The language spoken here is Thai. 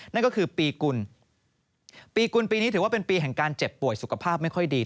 นั่นก็คือปีกุลปีกุลปีนี้ถือว่าเป็นปีแห่งการเจ็บป่วยสุขภาพไม่ค่อยดี